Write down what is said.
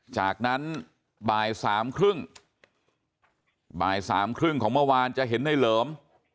จากนั้นบ่ายสามครึ่งบ่ายสามครึ่งของเมื่อวานจะเห็นในเหลิม